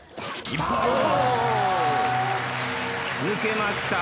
一本！抜けました。